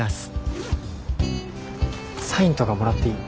サインとかもらっていい？